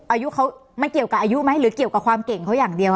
อายุเขาไม่เกี่ยวกับอายุไหมหรือเกี่ยวกับความเก่งเขาอย่างเดียว